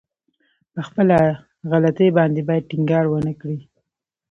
په خپله غلطي باندې بايد ټينګار ونه کړي.